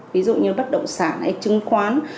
ví dụ như bất động sản hay chứng khoán